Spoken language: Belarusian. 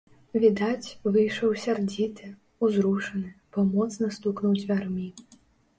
Відаць, выйшаў сярдзіты, узрушаны, бо моцна стукнуў дзвярмі.